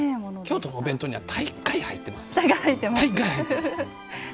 京都のお弁当には大概入ってます。